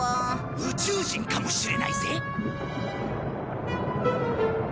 宇宙人かもしれないぜ。